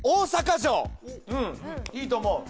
いいと思う